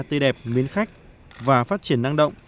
tươi đẹp miến khách và phát triển năng động